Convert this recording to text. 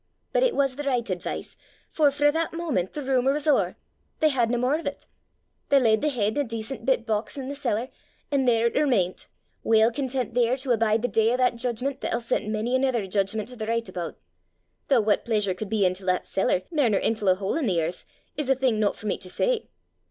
But it was the richt advice, for frae that moment the romour was ower, they had nae mair o' 't. They laid the heid in a dacent bit box i' the cellar, an' there it remaint, weel content there to abide the day o' that jeedgment that'll set mony anither jeedgment to the richt aboot; though what pleesur could be intil that cellar mair nor intil a hole i' the earth, is a thing no for me to say!